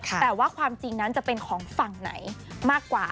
แต่ว่าความจริงนั้นจะเป็นของฝั่งไหนมากกว่า